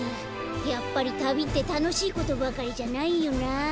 やっぱりたびってたのしいことばかりじゃないよな。